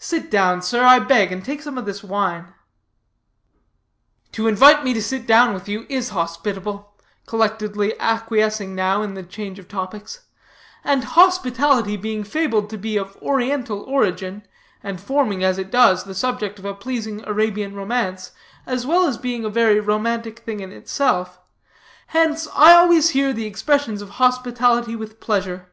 Sit down, sir, I beg, and take some of this wine." "To invite me to sit down with you is hospitable," collectedly acquiescing now in the change of topics; "and hospitality being fabled to be of oriental origin, and forming, as it does, the subject of a pleasing Arabian romance, as well as being a very romantic thing in itself hence I always hear the expressions of hospitality with pleasure.